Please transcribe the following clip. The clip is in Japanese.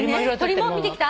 鳥も見てきた？